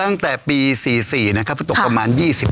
ตั้งแต่ปี๔๔นะครับตกประมาณ๒๕